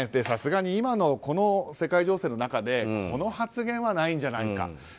さすがに今のこの世界情勢の中でこの発言はないんじゃないかと。